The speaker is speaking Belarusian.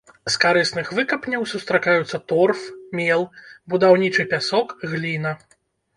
З карысных выкапняў сустракаюцца торф, мел, будаўнічы пясок, гліна.